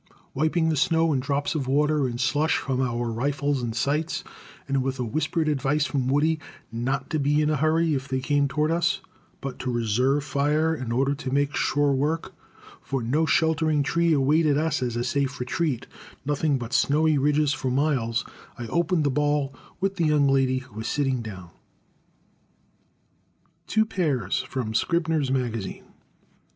Wiping the snow and drops of water and slush from our rifles and sights, and with a whispered advice from Woody not to be in a hurry if they came toward us, but to reserve fire in order to make sure work, for no sheltering tree awaited us as a safe retreat, nothing but snowy ridges for miles, I opened the ball with the young lady who was sitting down. [Illustration: Two Pairs. From Scribner's Magazine.